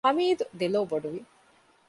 ހަމީދު ދެލޯބޮޑުވި